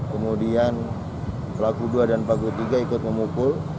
kemudian pelaku dua dan pelaku tiga ikut memukul